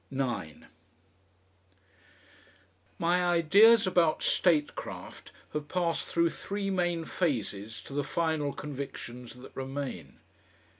9 My ideas about statecraft have passed through three main phases to the final convictions that remain.